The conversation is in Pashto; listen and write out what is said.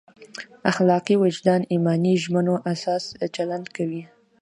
اخلاقي وجدان ایماني ژمنو اساس چلند کوي.